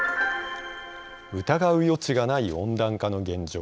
疑う余地がない温暖化の現状